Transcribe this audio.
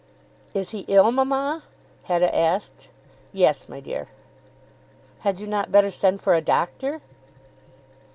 "Is he ill, mamma?" Hetta asked. "Yes, my dear." "Had you not better send for a doctor?"